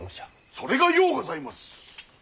それがようございます！